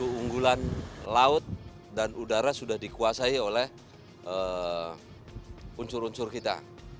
keunggulan laut dan udara sudah dikuasai oleh unsur unsur kita